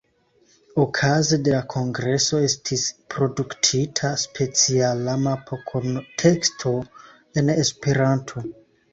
Okaze de la kongreso estis produktita speciala mapo kun teksto en Esperanto.